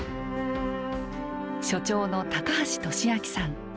所長の橋利明さん。